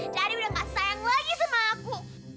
cari udah gak sayang lagi sama aku